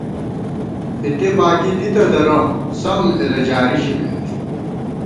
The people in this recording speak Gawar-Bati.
اِتے باگی دِتہ درہ ، سم اېلہ جاری ژِمېت